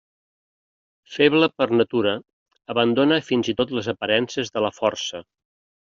Feble per natura, abandona fins i tot les aparences de la força.